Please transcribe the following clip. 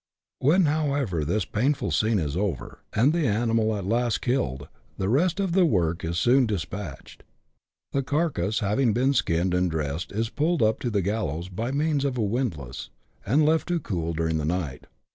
When however this painful scene is over, and the animal is CHAP. VIII.] BOUNDARY QUESTIONS. 91 at last killed, the rest of the work is soon despatched ; the car case, having been skinned and dressed, is pulled up to the "gallows" by means of a windlass, and left to cool during the night.